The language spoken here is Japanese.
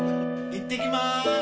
行ってきまーす！